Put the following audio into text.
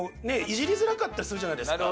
イジりづらかったりするじゃないですか。